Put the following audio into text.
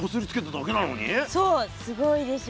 そうすごいでしょ。